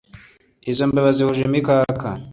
Izo mbeba zihuje imikaka,